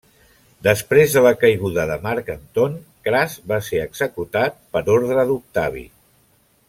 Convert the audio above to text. Després de la caiguda de Marc Anton, Cras va ser executat per ordre d'Octavi.